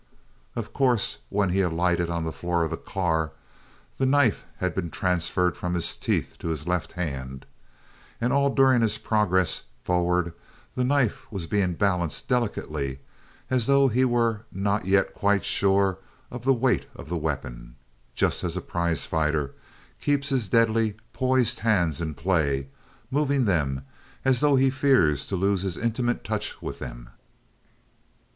Of course, when he alighted on the floor of the car, the knife had been transferred from his teeth to his left hand; and all during his progress forward the knife was being balanced delicately, as though he were not yet quite sure of the weight of the weapon. Just as a prize fighter keeps his deadly, poised hands in play, moving them as though he fears to lose his intimate touch with them.